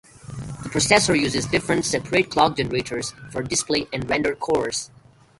The processor uses different separate clock generators for display and render cores.